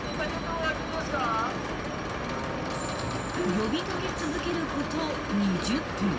［呼び掛け続けること２０分］